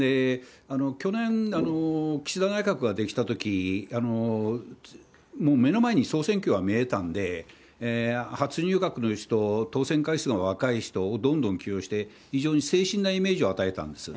去年、岸田内閣が出来たとき、もう目の前に総選挙が見えたんで、初入閣の人、当選回数が若い人をどんどん起用して、非常に清新なイメージを与えたんです。